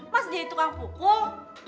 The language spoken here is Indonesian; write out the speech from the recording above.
mas jadi tukang pukul